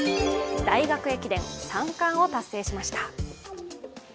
大学駅伝３冠を達成しました。